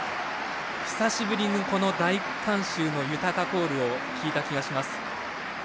久しぶりにこの大観衆の豊コールを聞いた気がします。